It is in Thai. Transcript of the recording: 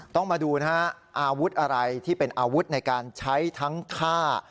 ต้องมาดูนะฮะอาวุธอะไรที่เป็นอาวุธในการใช้ทั้งฆ่า